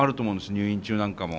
入院中なんかも。